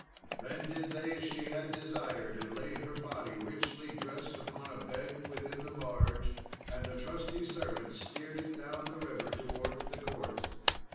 Then did they as she had desired, and laid her body, richly dressed, upon a bed within the barge, and a trusty servant steered it down the river towards the court.